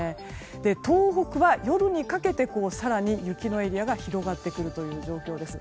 東北は夜にかけて更に雪のエリアが広がってくるという状況です。